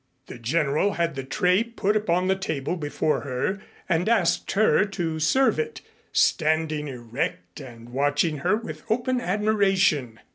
The General had the tray put upon the table before her and asked her to serve it, standing erect and watching her with open admiration.